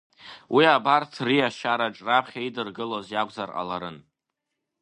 Уи абарҭ риашьараҿ раԥхьа идыргылоз иакәзар ҟаларын.